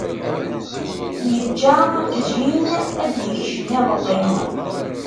Yeǧǧa Jean ad d-yekcem iḍelli.